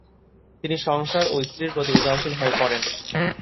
তিনি সংসার ও স্ত্রীর প্রতি উদাসীন হয়ে পরেন।